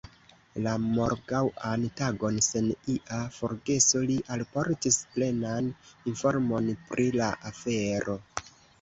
La morgaŭan tagon, sen ia forgeso, li alportis plenan informon pri la afero.